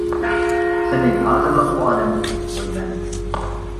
سېنى ھازىرلار ئۇ ئالەمگە ئۇزىتىپ قويىمەن.